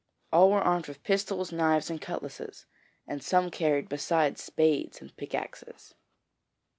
All were armed with pistols, knives, and cutlasses, and some carried, besides, spades and pickaxes.